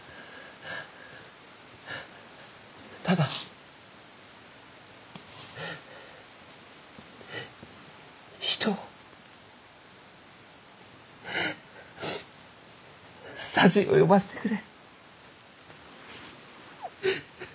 ただ人を匙を呼ばせてくれ。